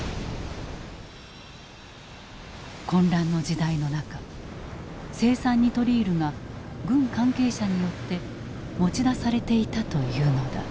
混乱の時代の中青酸ニトリールが軍関係者によって持ち出されていたというのだ。